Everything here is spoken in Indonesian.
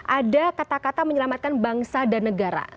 ada kata kata menyelamatkan bangsa dan negara